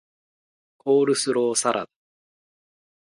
コールスローサラダ